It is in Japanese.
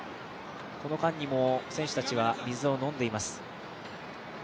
この間にも選手たちは水を飲んでいます。